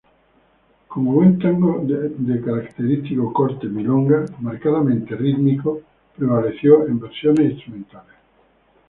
Como buen tango de característico corte milonga, marcadamente rítmico, prevaleció en versiones instrumentales.